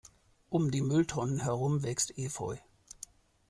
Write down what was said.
Um die Mülltonnen herum wächst Efeu.